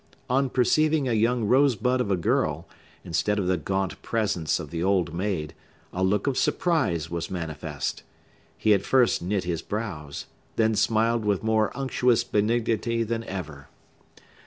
On perceiving a young rose bud of a girl, instead of the gaunt presence of the old maid, a look of surprise was manifest. He at first knit his brows; then smiled with more unctuous benignity than ever.